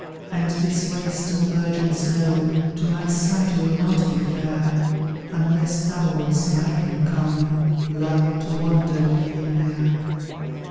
And this waste of virgin snow To my sight will not be fair, Unless thou wilt smiling come, Love, to wander with me there.